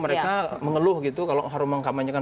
mereka mengeluh gitu kalau harus mengamanyakan